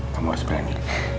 kamu harus berani